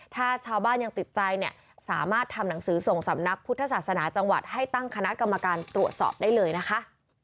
ถ้าชาวบ้านยังติดใจเนี่ยสามารถทำหนังสือส่งสำนักพุทธศาสนาจังหวัดให้ตั้งคณะกรรมการตรวจสอบได้เลยนะคะ